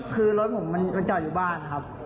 คือรถผมมันจอดอยู่บ้านครับ